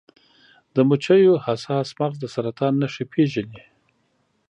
د مچیو حساس مغز د سرطان نښې پیژني.